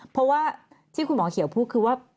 เพราะว่าที่คุณหมอเขียวพูดคือว่า